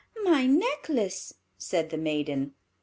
"My necklace," said the maiden.